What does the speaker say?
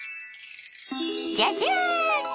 じゃじゃん！